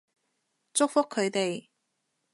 祝福佢哋